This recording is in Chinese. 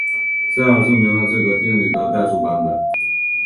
塞尔证明了这个定理的代数版本。